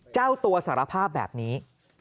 เจ้าตัวสารภาพแบบนี้